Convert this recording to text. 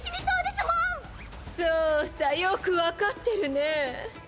そうさよく分かってるねぇ。